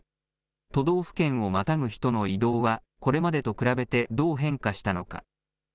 都道府県をまたぐ人の移動は、これまでと比べてどう変化したのか。